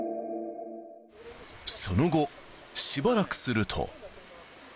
その後、しばらくすると。